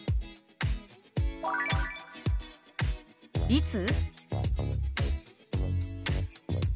「いつ？」。